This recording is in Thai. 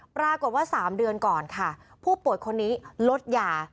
ปรากฏว่า๓เดือนก่อนค่ะผู้ป่วยคนนี้ลดยา